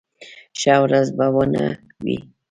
ښه ورځ به و نه وي.